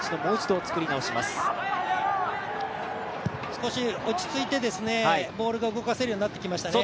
少し落ち着いてボールが動かせるようになってきましたね。